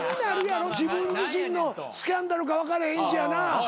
自分自身のスキャンダルか分かれへんしやな。